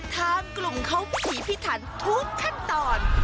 ทางกลุ่มเขาผีพิธรรมทุกขั้นตอน